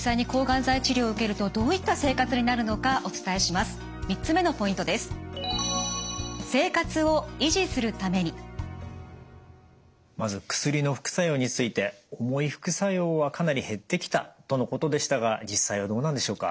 まず薬の副作用について重い副作用はかなり減ってきたとのことでしたが実際はどうなんでしょうか？